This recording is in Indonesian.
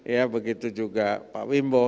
ya begitu juga pak wimbo